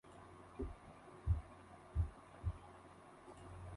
La sede del condado es Napoleon, y su mayor ciudad es Napoleon.